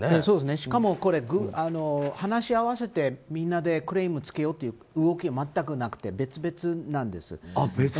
しかもこれ、話を合わせてみんなでクレームをつけようという動きは全くなくて、別々なんです。